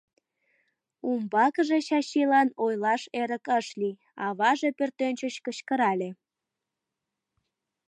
Умбакыже Чачилан ойлаш эрык ыш лий, аваже пӧртӧнчыч кычкырале.